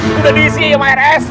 sudah diisiin ya pak r s